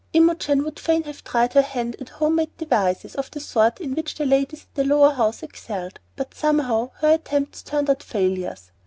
Imogen would fain have tried her hand at home made devices of the sort in which the ladies at the lower house excelled, but somehow her attempts turned out failures.